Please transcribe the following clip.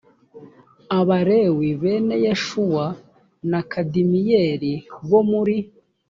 abalewi bene yeshuwa na kadimiyeli bo muri